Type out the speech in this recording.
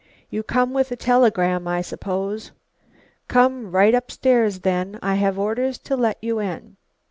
"You come with a telegram, I suppose? Come right up stairs then, I have orders to let you in."